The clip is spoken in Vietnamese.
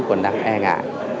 còn đang e ngại